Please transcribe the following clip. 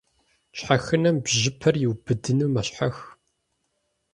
Щхьэхынэм бжьыпэр иубыдыну мэщхьэх.